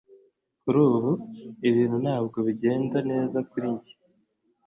kuri ubu, ibintu ntabwo bigenda neza kuri njye